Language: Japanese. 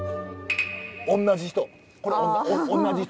同じ人。